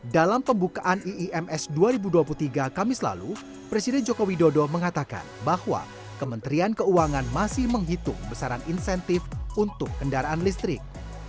dalam pembukaan iims dua ribu dua puluh tiga kamis lalu presiden joko widodo mengatakan bahwa kementerian keuangan masih menghitung besaran insentif untuk kendaraan listrik